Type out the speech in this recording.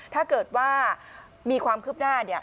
ถ้าเกิดว่ามีความคืบหน้าเนี่ย